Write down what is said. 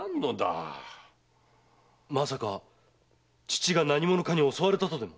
まさか父が何者かに襲われたとでも？